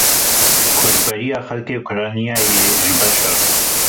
Koçberiya xelkê Ukraynayê ji ber şer.